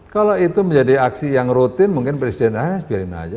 kalau itu menjadi aksi yang rutin mungkin presiden aja biarin aja